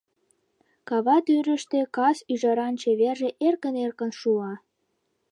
Кава тӱрыштӧ кас ӱжаран чеверже эркын-эркын шула.